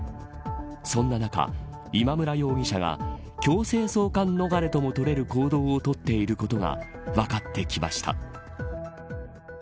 そんな中、今村容疑者が強制送還逃れとも取れる行動をとっていることが分かってきました。